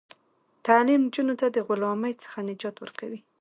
تعلیم نجونو ته د غلامۍ څخه نجات ورکوي.